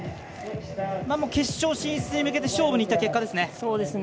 決勝進出に向けて勝負にいった結果ですね。